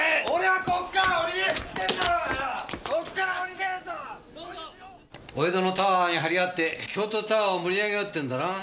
お江戸のタワーに張り合って京都タワーを盛り上げようってんだろ？